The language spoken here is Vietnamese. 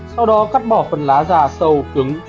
sau đó cắt bỏ phần lá da sâu cứng